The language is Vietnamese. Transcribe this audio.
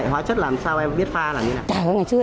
hóa chất làm sao em biết pha là như thế nào